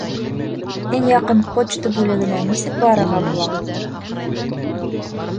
Иң яҡын почта бүлегенә нисек барырға була?